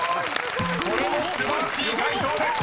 ［これも素晴らしい解答です！］